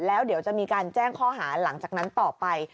แล้วเดี๋ยวจะมีการแจ้งข้อหาหลังจากนั้นต่อไป